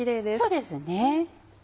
そうですね。